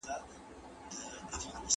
که رښتیا وي نو باور نه ورکیږي.